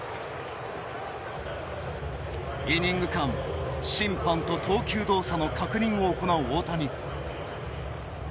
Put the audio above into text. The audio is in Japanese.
イニング間審判と投球動作の確認を行う大谷。